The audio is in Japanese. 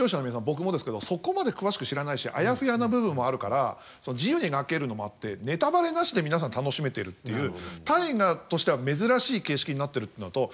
僕もですけどそこまで詳しく知らないしあやふやな部分もあるから自由に描けるのもあってネタバレなしで皆さん楽しめてるっていう「大河」としては珍しい形式になってるっていうのと。